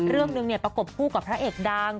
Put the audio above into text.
เรื่องนึงเนี่ยใบพายะประกบผู้กับพระเอกดัง